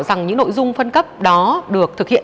cái nội dung phân cấp đó được thực hiện